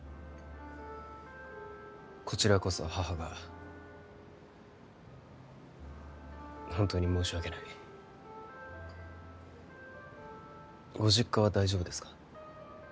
こちらこそ母が本当に申し訳ないご実家は大丈夫ですか？